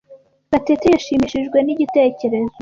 Gatete yashimishijwe nigitekerezo.